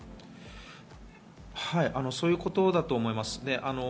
そういうことだと思います。